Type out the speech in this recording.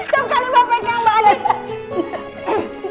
kamu kali ini bapak ikan banget